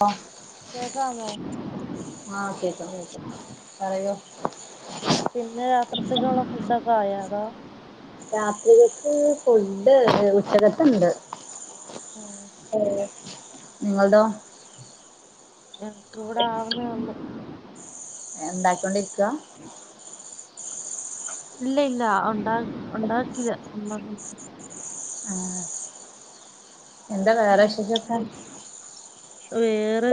വാഹ് കേക്കാമോ പറയോ പിന്നെ രാത്രിത്തേകുള്ള ഫുഡക്ക ആയോ അതോ രാത്രികക്ക് ഫുഡ് ഉച്ചകത്തുണ്ട് ഉം, ആ നിങ്ങള്ടോ എനക്ക് ഇവിടെ ആവുന്നേ ഒള്ളൂ എന്താക്കോണ്ടിരിക്കുവാ ഇല്ല ഇല്ല ഒണ്ട ഒണ്ടാക്കീല്ല ഒണ്ടാക്കണം ആഹ് എന്താ വേറെ ഉം വിശേഷൊക്ക വേറെ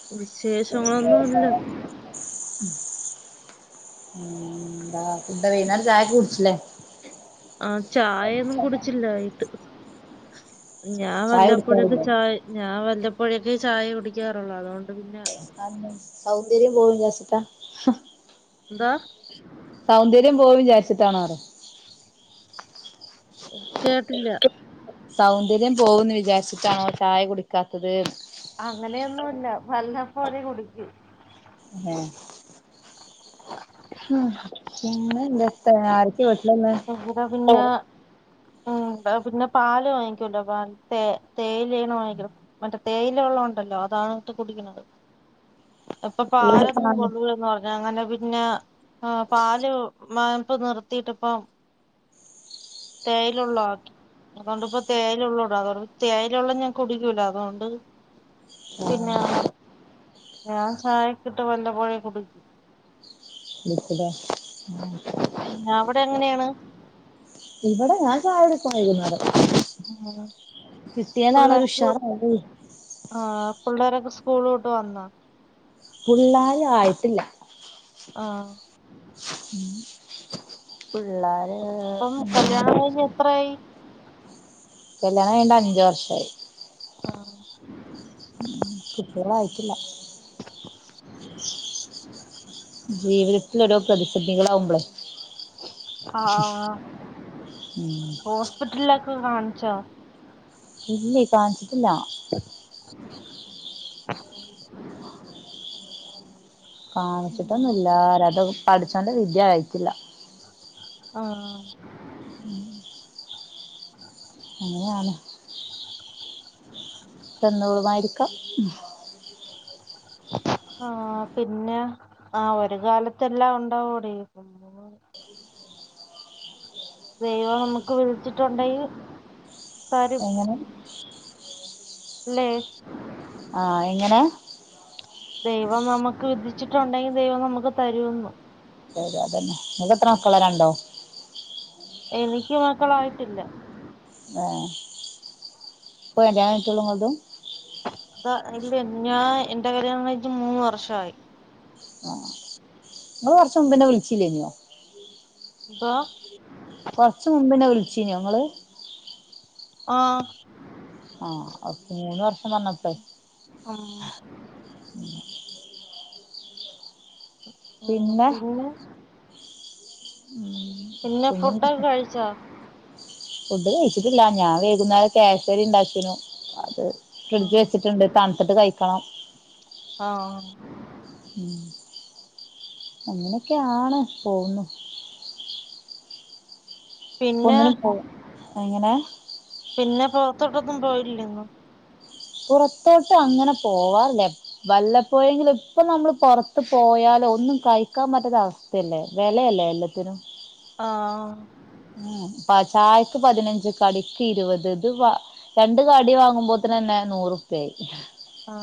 [unintelligible] ഉ വിശേഷങ്ങളൊന്നും ഇല്ല എന്താ വൈകുനേരം ചായൊക്കെ കുടിച്ചില്ലേ ആ ചായൊന്നും കുടിച്ചില്ല ഞാൻ ചായ വല്ലപ്പൊഴൊകെ കുടിക്കാറില്ലേ ചായ ഞാൻ വല്ല പ്പോഴേക്ക് ചായ കുടിക്കാറുള്ളൂ അതുകൊണ്ട് പിന്നെ അ സൗന്ദര്യം പോകും വിചാരിച്ചിട്ട ന്താ സൗന്ദര്യം പോയി വിചാരിച്ചിട്ടാണോ കേട്ടില്ല സൗന്ദര്യം പോവുന്ന് വിചാരിച്ചിട്ടാണോ ചായ കുടിക്കാത്തത് അങ്ങനെയൊന്നില്ല വല്ലപ്പോഴെ കുടിക്കു ഏ പിന്നെന്താ തെ ആരൊക്കെയാ വീട്ടിലു ഇവിട പിന്നെ ഉം പിന്നെ പാല് വാങ്ങിക്കല്ലോ പാൽ തേ തേയിലണ് വാങ്ങിക്കണ് മറ്റേ തേയില വെള്ളം ഉണ്ടല്ലോ അതാണ് ഇട്ട് കുടിക്കുന്നത് ഇപ്പോ പാലന്നും കൊള്ളൂന്ന് പറഞ്ഞ അങ്ങനെ പി പിന്നെ പാല് മായിപ്പം നിർത്തിയിട്ടിപ്പം തേയിലുള്ള അതിപ്പോ തേയിലുള്ള ഇട അതൊണ്ട് തേയിലുള്ള ഞാൻ കുടിക്കൂല അതുകൊണ്ട് പിന്നെ ആഹ് ഞാൻ ചായകിട്ട വല്ലപ്പോഴെ കുടിക്കു [unintelligible] അവിടെ എങ്ങനെയാണ്. ഇവിടെ ഞാൻ ചായ കു പ്പം വൈകുന്നേരം ഉം കിട്ടിയാലാണ് ഒരു പിള്ളേർക്ക് ഉഷാറ് മൂഡ് ആഹ് പിള്ളേരൊക്കെ സ്കൂൾ വിട്ടുവന്നേ. പുള്ളാർ ആയിട്ടില്ല ആഹ പിള്ളോര്.. അപ്പം കല്യാണം കഴിഞ്ഞ് എത്രയായി കല്യാണം കഴിഞ്ഞ്ട്ട്‌ അഞ്ചു വർഷായി. കുട്ടികൾ ആയിട്ടില്ല ജീവിതത്തിൽ ഒരോപ്രതിസന്ധികളാവുമ്പളെ ആഹ ഉം ഹോസ്പിറ്റലക് കാണിച്ചോ ഇല്ലേ കാണിച്ചിട്ടില്ല [inaudible] കാണിച്ചിട്ടൊന്നു ഇല്ല [unintelligible] പടച്ചോന്റെ വിധി ആയിട്ടില്ല ആഹ അനെയയാണ് തന്നോളുമായിരിക്കാം ആഹ പിന്നെ ആ ഒരു കാലത്തെല്ലാ ഉണ്ടാവുടി ദൈവം നമുക്ക് വിധിച്ചിട്ടുണ്ടങ്കിൽ പരും എങ്ങനെ ല്ലെ ആ എങ്ങിനെ ദൈവം നമുക്ക് വിധിച്ചിട്ടുണ്ടെങ്കിൽ ദൈവം നമുക്ക് തരുന്നു ശരി അതന്നെ ഇങ്ങക്ക്എത്ര മക്കള രണ്ടോ എനിക്ക് മക്കളായിട്ടില്ല ആഹ ഇപ്പോ കല്ല്യണം കഴിഞ്ഞു ട്ടോളു ഇങ്ങൾത് അതാ ഇല്ല ഞാൻ എന്റെ കല്യാണ മൂന്ന് വർഷായി നി കുറച്ച മുമ്പന്നെ വിളിച്ചില്ലേനോ ആ കൊറച്ച മുമ്പ് എന്നെ വിളിച്ചിനോ ങ്ങള് ആഹ ആഹ അപ്പ മൂന്ന് വർഷപറഞ്ഞപ്പേ ആഹ ആ പിന്നെ പിന്നെ ഫുഡൊക്കെ കഴിച്ചോ ഫുഡ് കഴിച്ചിട്ടില്ല ഞാൻ വൈകുന്നേരം കേ സരി ഉണ്ടാകീന്നു അത് ആ ഫ്രിഡി ജ് വെച്ചീട്ട്ണ്ട് തൺ ത്ത്ട്ട്കഴിക്കണം ആ ഉം [unintelligible] അങ്ങനൊക്കെയാണ് പോവുന്നു ഇപ്പം പിന്നെ ഒന്നിനും പോവാ എങ്ങനെ ഇല്ലങ്ങു പുറത്തോട്ട് അങ്ങനെ പോവാറില്ല വല്ലപ്പോയെങ്കിലും ഇപ്പൊ നമ്മള് പുറത്ത് പോയാല് ഒന്നും കഴിക്കാൻ പറ്റാത്ത അവസ്ഥയല്ലേ വിലയല്ലേ എല്ലാത്തിനും ആ ഉ പ ചായക്ക് പതിനഞ്ച് കടിക്ക് ഇരുപത് ഇത് രണ്ട് കടി വാങ്ങുമ്പോത്തിന് തന്നെ നൂറുർപ ആയി ആ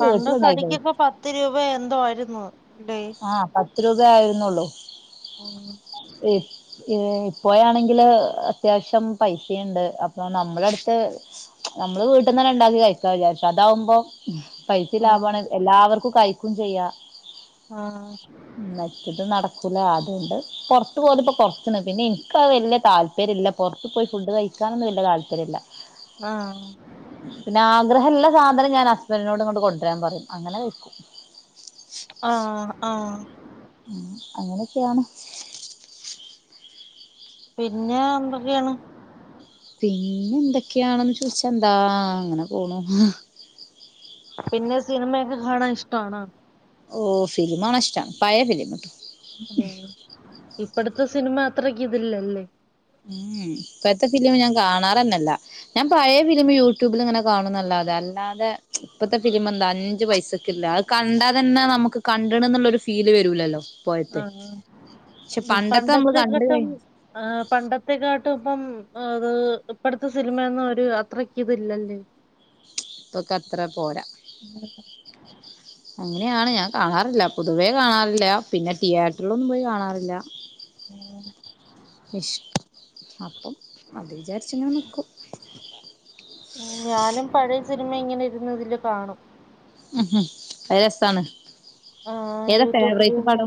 പണ്ട് വീട്ടിലുണ്ടാക്കി കടിക്കപ്പോ പത്ത് രൂപ എന്തോയിരുന്നു ആ പ രൂപയായിരുന്നുള്ളൂ ആ ഈ ഇപ്പോ ആണെങ്കില് അത്യാവശ്യം പൈസുണ്ട് അപ്പൊ നമ്മളടുത്ത് നമ്മള് വീട്ടന്നെ ഉണ്ടാക്കി കഴിക്കാ വിചാരിച്ചാ അതാവുമ്പോം പൈസി ലാ ഭാണ് ആഹ് എല്ലാവർക്കും കൈയ്ക്കും ചെയ്യാം ആ ഇത് നടക്കൂല അതുകൊണ്ട് പുറത്ത് പോകലിപ്പോ കുറച്ച് ണ് പിന്നെ എനക്കഹ് വല്യ യ താല്പര്യല്ല പുറത്ത് പോയി ഫുഡ് കഴിക്കാനൊന്നും വല്യ യ താല്പര്യല്ല ആ പിന്നെ ആഗ്രഹല്ലസാധനം ഞാൻ ഹസ്ബന്റിനോട് ഇങ്ങട്ട് കൊണ്ടരാൻ പറി അങ്ങനെ വെക്കും ആ ഉ അങ്ങനൊക്കെണ് പിന്നെ എന്തൊക്കെണ് പിന്നെ എന്തൊക്കെയാണെന്ന് ചോദിച്ചാ എന്താ അങ്ങനെ പോണു പിന്നെ സിനിമയൊക്കെ കാണാൻ ഇഷ്ടാണോ ഓ ഫിലിംമാണ് ഇഷ്ടം പയെ ഫിലിം മ് ട്ടൊ ഇപ്പടുത്തസിനിമ അത്രക്ക് ഇതില്ലല്ലേ ഉം ഇപ്പഴത്തെ ഫിലിം ഞാൻ കാണാറന്നെല്ല ഞാൻ പഴയ ഫിലിം യൂട്യൂബിൽ ങ്ങനെ കാണുന്നല്ലാതെ അല്ലാതെ ഇപ്പത്തെ ഫിലിമ്എന്താ അഞ്ചു പൈസക്ക്ല്ല അത് കണ്ടാ തന്നെ നമുക്ക് കണ്ട് ണ് ന്ന്ള്ളൊരു ഫീല് വരൂലല്ലോ ആ ഇപ്പോഴത്തെ പക്ഷെ നമ്മള് പണ്ടത്തെ കണ്ട് കഴി കാട്ടും ആ പണ്ട ത്തെക്കാട്ടും ഇപ്പം അത് ഇപ്പഴത്തെ സിനിമയന്നും ഒരു അയാത്രക്ക് ഇതില്ലല്ലേ ഇപ്പൊക്കത്ര പോരാ അങ്ങനെയാണ് ഞാൻ കാണാറ്ല്ല പൊതുവേ കാണാറില്ല പിന്നെ തിയേറ്ററിലൊന്നും പോയി കാണാറ്ല്ല ഇഷ്ടം അപ്പം അത് വിചാരിച്ച ങ്ങനെ നിക്കൂ ഞാനും പഴയ സിനിമ ഇങ്ങനെ ഇരുന്നിതില് കാണും ഉംഉം അയ് സാണ് ആ യൂട്യൂബില്ട്ണെ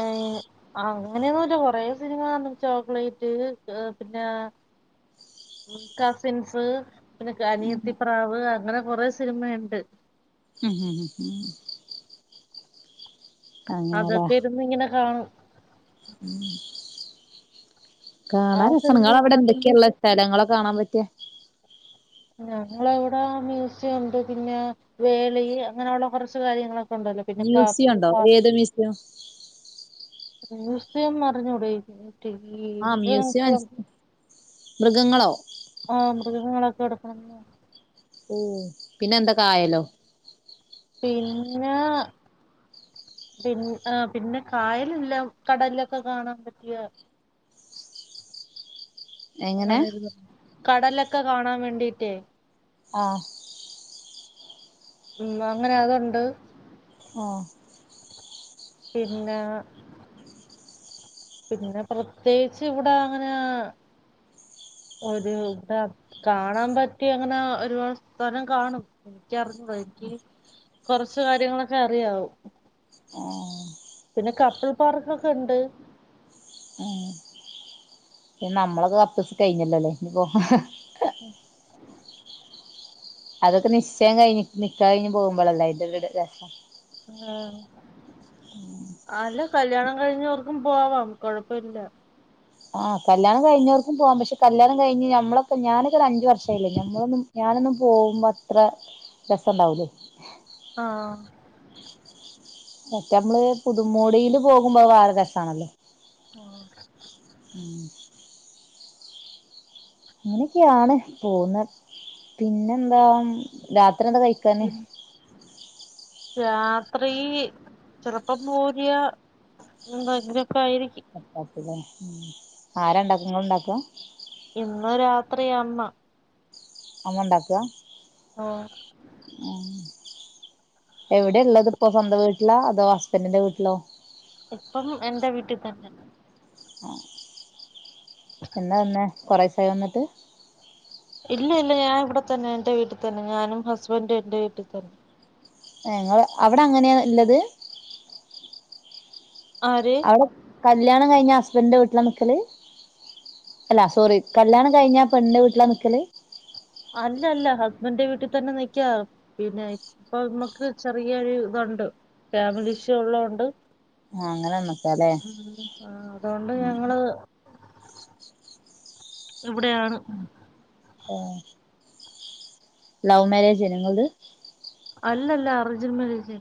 ഏ അങ്ങനെയൊന്നുല്ല കൊറേ സിനിമ കാണും ചോക്ലേറ്റ് പിന്നെ കസിൻസ് പിന്നെ ഖനിയത്തിപ്രാവ് ങ്ങനെ കൊറെ സിനിമയൊണ്ട് ഉംഉംഉംഉം അതൊക്കെ ഇരുന്ന് ഇങ്ങനെ കാണും ഉ ആ കാണാൻ രസ്സാണ് സിനിമയൊക്കെ ഇങ്ങളവിടെ കാണും എന്തൊക്കെയൊള്ളെ സ്ഥലങ്ങളൊ കാണാൻ പറ്റിയ ഞങ്ങളിവ്ടെ മ്യൂസിയൊണ്ട് പിന്നെ വേളി അങ്ങനൊള്ള കൊറച്ച് കാര്യങ്ങളൊക്കെ ഉണ്ടല്ലോ പിന്നെ മ്യൂസിയം കാപ്പ് ഒണ്ടോ പാർക്ക് ഏത് മ്യൂസിയം മ്യൂസിയം മറിഞ്ഞൂടേ ആ മ്യൂസിയം മനസ് മൃഗങ്ങളോ ആ മൃഗങ്ങളൊക്കെ കെട്ക്കണ സല ഓ പിന്നെ എന്താ കായലോ പിന്നെ പിൻ ആ പിന്നെ കായലെല്ലാം കടല്ലൊക്കെ കാണാമ്പറ്റിയ എങ്ങനെ അങ്ങനെരുത് കടലെക് ക്കെ കാണാവേണ്ടിട്ടേ ആഹ് ഉം അങ്ങനെ അതുണ്ട് ആഹ് പിന്നെ പിന്നെ പ്രത്യേച്ച് ഇവിടെ അങ്ങനെ ആ ഒരു ഇവ്ടെ കാണാമ്പറ്റിര അങ്ങനെ ഒരുപാട് സ്ഥലം കാണും എനിക്കറിഞ്ഞൂടാ എക്ക് കൊറച്ച കാര്യങ്ങളൊക്കേ അറിയാവൂ ആ പിന്നെ കപ്പിൾ പാർക്കൊക്കെ ഇണ്ട് ഉ പി നമ്മളൊക്ക കപ്പ്സ് കയിഞ്ഞല്ലോല്ലേ ഇനീപോ ഉ അതൊക്കെ നിശ്ചയം കഴിഞ്ഞ് നിക്കായിന് പോകുമ്പോളല്ല അയിന്റെക്കെടെ രസം ആഹ് അല്ല കല്യാണം കഴിഞ്ഞവർക്കും പോവാം കൊഴപ്പാഇല്ല ആ കല്ല്യാണം കഴഞ്ഞവർക്കും പോം പഷേ കല്യാണം കയിഞ്ഞ് ഞമ്മളൊക്കെ ഞാന് ഈയൊരഞ്ച് വർഷായ്ലേ ഞമ്മളൊന്നും ഞാനൊന്നും പോമ്പത്ര രസ്സണ്ടാവൂല്ലേ ആഹ് ആ മറ്റേ അമ്മ്ള് പുതുമോടിയില് പോകുമ്പ വേറെരസാണല്ലോ ആ ഇങ്ങനെക്കെയാണ് പോവ്ന്ന പിന്നെന്താ രാത് ത്രി എന്താ കയാക്കാന് പിൻ രാത്രി ചെലപ്പം പൂരി എന്തങ്ങനെയൊക്കെ ആയിരിക്കും ചപ്പാത്തി ലേ ആ രണ്ടാക്കും ങ്ങള ഉണ്ടാക്കും പ്പോ ഇന്ന് രാത്രിയാ അമ്മ അമ്മണ്ടാക്ക ഓ ഉ എവിടെ ഉള്ളത് ഇപ്പോ സ്വന്തം വീട്ടിലാ അതോ ഹസ്ബൻറിന്റെ വീട്ടിലോ ഇപ്പം എന്റെ വീട്ടിൽ തന്നെ ആഹ എന്നാ വന്നെ കുറേസായൊ വന്നിട്ട് ഇല്ല ഇല്ല ഞാൻ ഇവിടെ തന്നെ എൻറെ വീട്ടിൽ തന്നെ ഞാനും ഹസ്ബൻഡും എന്ടെ വീട്ടിൽ തന്നെ ഞങ്ങ അവിടെ അങ്ങനെയ ഉള്ളത് ആര് അവിടെ കല്യാണം കയിഞ്ഞ ഹസ്ബൻന്റെ വീട്ടില നിക്കല് അല്ല സോറി കല്യാണം കഴിഞ്ഞ പെണ്ണിന്റെ വീട്ടിലാ നിക്കല് അല്ല അല്ല ഹസ്ബൻഡന്റെ വീട്ടിൽ തന്നെ നിക്കാ പിന്നെ ഇപ്പൊ നമ്മക്ക് ചെറിയൊരു ഇതുണ്ട് ഫാമിലി ഇഷ്യൂ ഉള്ളത് കൊണ്ട് ആഹ് അങ്ങനെ നിക്കാല്ലേ ആ അതുകൊണ്ട് ഉം ഞങ്ങള് ഇവിടെയാണ് ആ ലവ് മാര്യേജ്ന്യോ ഇങ്ങള്ത് അല്ലല്ല അറേഞ്ച് മാര്യേജ്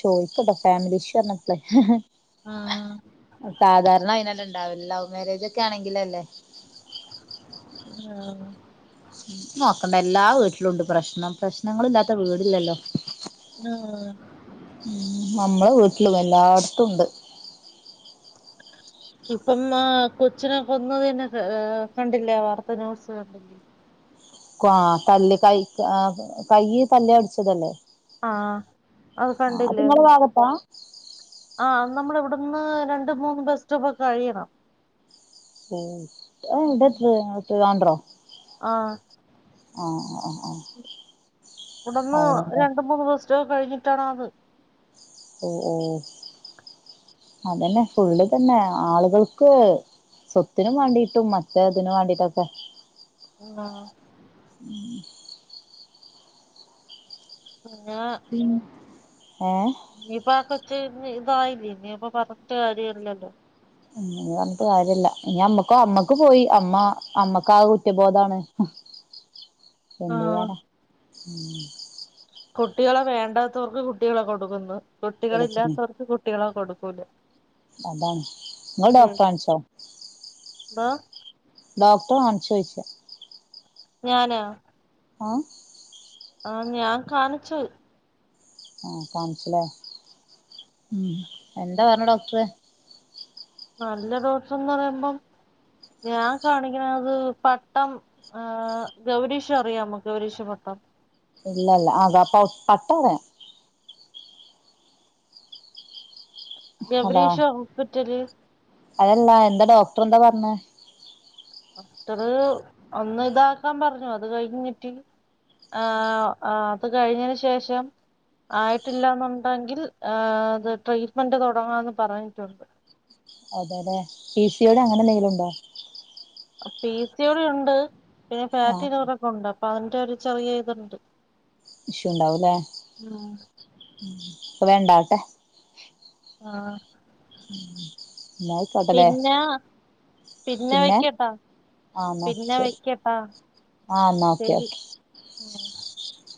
ചോയ്ചട്ടോ ഫാമിലി ഇഷ്യൂ പറഞ്ഞപ്പളെ ആ സാധാരണ അയിനല്ല ഉണ്ടാവില്ല ലവ് മാരേജൊക്കെ ആണെങ്കിലല്ലേ ആഹ് നോക്കണ്ട എല്ലാ വീട്ടിലും ഉണ്ട് പ്രശ്നം പ്രശ്നങ്ങള ഇല്ലാത്ത വീടില്ലല്ലോ ആഹ് ഉം നമ്മളെ വീട്ടിലും എല്ലായിടത്തുണ്ട് ഇപ്പം ആ കൊച്ചിനെ കൊന്നതന്നെ കണ്ടില്ലേ വാർത്ത ന്യൂസ് കൊ തല്ല് കൈ കൈ തല്ലി ഒടിച്ചതല്ലേ ആഹ് ആ അത് ഇങ്ങളെ ഭാഗത്താ ആ നമ്മള് ഇവിടുന്ന് രണ്ട് മൂന്ന് ബസ് സ്റ്റോപ്പ് ഒക്കെ കഴിയണം ഉം അതെവിടെപ്പൊ ട്രിവാൻഡ്രം ആഹ് ആഹ് ആ ഇവിടന്ന് അവിടെല്ലേ രണ്ട് മൂന്ന് ബസ്സ്റ്റോപ്പ് കഴിഞ്ഞി ട്ടണോന്ന് ഓ ഓ അതന്നെ ഫുള്ള് തന്നെ ആളുകൾക്ക് സ്വത്തിന് വേണ്ടിട്ടും മറ്റേ ഇതിന് വേണ്ടിട്ടൊക്കെ ആ ഉം [unintelligible] ഇ ഇതായില്ല ഇ നീ അപ്പൊ പറഞ്ഞിട്ട് കാര്യല്ലല്ലോ ആ പറഞ്ഞിട്ട് കാര്യല്ല ഇനി അമ്മക്ക് അമ്മക്ക് പോയി അമ്മ അമ്മക്ക് ആ കുറ്റബോധാണ് ആഹ് എന്തയ്യാനാ [unintelligible] കുട്ടികളെ വേണ്ടാത്തവർക്ക് കുട്ടികളെ കൊടുക്കുന്നു കുട്ടികള വെളുപ്പിന് ഇല്ലാത്തവർക്ക് കുട്ടികളെ കൊടു ക്കൂല അതാണ് ഇങ്ങള് ഡോക്ടറെ കാണിച്ചോ ന്തോ ഡോക്ടറെ കാണിച്ചോദിച്ച ഞാനോ ആ ആ ഞാൻ കാണിച്ചു ആ കാൺചിലെ ഉ എന്താ പറഞ്ഞെ ഡോക്ടർ നല്ല ദോസന്ന് പറയുമ്പം ഞാ കാണിക്കണ അത് പട്ടം ആഏർ ഗൗരീശം അറിയാമ ഗൗരീശ പട്ടം ഇല്ലല്ല അതാപ്പ പട്ടറയാ ഹലോ ഗൗരീഷ് ഹോസ്പിറ്റല് അതല്ലാ എന്തടോ എത്രന്താ പറഞ്ഞ ഡർ ഒന്ന് ഇതാക്കാൻ പറഞ്ഞു അത് കഴിഞ്ഞിട്ട് ആഏർ അത് കഴിഞ്ഞതിന് ശേഷം ആയിട്ടില്ലന്നുണ്ടെങ്കിൽ ഏ അത് ട്രീറ്റ്മെന്റ് തുടങ്ങാന്ന് പറഞ്ഞിട്ടുണ്ട് അതെ അല്ലെ പി സിയോഡി അങ്ങനെ എന്തെങ്കിലുംുണ്ടോ പിസിയോടി ണ്ട് പിന്നെ ആ പാറ്റിൂറൊക്കെ ഉണ്ട് അപ്പൊ അ ഒരു ചെറിയ ചെയ്തുണ്ട് വിഷുണ്ടാവൂലേ അ വേണ്ടക്കെ ആ [unintelligible] എന്നായിക്കോട്ടട്ടെ പിന്നെ ആ നോക്ക പിന്നെ ശരി വെക്കട്ടാ ആ നോക്കെ ശരി ഓക്കെ [inaudible]